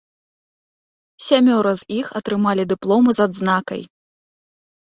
Сямёра з іх атрымалі дыпломы з адзнакай.